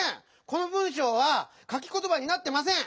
この文しょうはかきことばになってません！